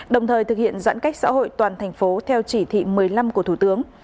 đồng thời thực hiện giãn cách xã hội toàn thành phố theo chỉ thị một mươi năm của thủ tướng